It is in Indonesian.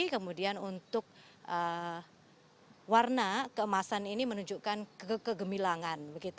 kemudian untuk warna keemasan ini menunjukkan kekegemilangan